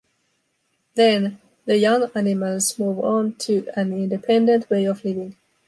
Then, the young animals move on to an independent way of living.